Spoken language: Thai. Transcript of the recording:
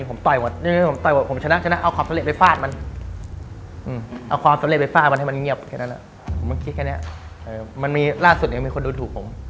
ผมมันคิดแค่เนี้ยเออมันมีล่าสุดเนี้ยมีคนดูถูกผม